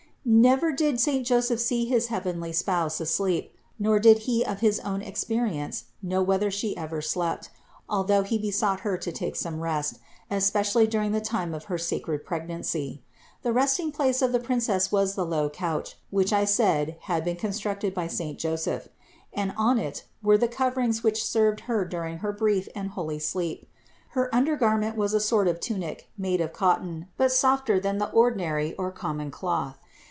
424. Never did saint Joseph see his heavenly Spouse asleep, nor did he of his own experience know whether She ever slept, although he besought Her to take some rest, especially during the time of her sacred pregnancy. The resting place of the Princess was the low couch, which I said had been constructed by saint Joseph; and on it were the coverings which served Her during her brief and holy sleep. Her undergarment was a sort of tunic made of cotton, but softer than the ordinary or common cloth.